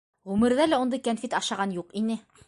Ғүмерҙә лә ундай кәнфит ашаған юҡ ине.